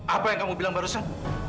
apa yang kamu bilang barusan